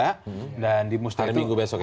hari minggu besok ya